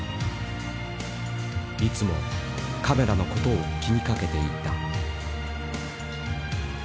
いつもカメラのことを気にかけていた。